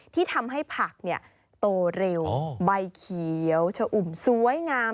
ที่ทำให้ผักโตเร็วใบเขียวชะอุ่มสวยงาม